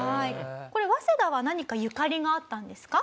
これ早稲田は何かゆかりがあったんですか？